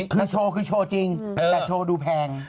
คือโชว์คือโชว์จริงแต่โชว์ดูแพง